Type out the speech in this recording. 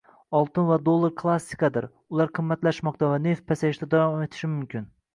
Oltin va dollar klassikadir, ular qimmatlashmoqda va neft pasayishda davom etishi mumkin